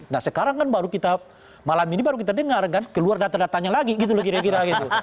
nah sekarang kan baru kita malam ini baru kita dengar kan keluar data datanya lagi gitu loh kira kira gitu